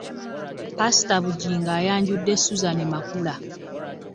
Ppaasita Bugingo ayanjuddwa Suzan Makula.